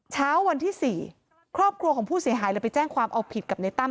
เช้าวันที่๔ครอบครัวของผู้เสียหายเลยไปแจ้งความเอาผิดกับในตั้ม